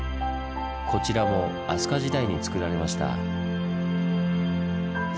こちらも飛鳥時代につくられました。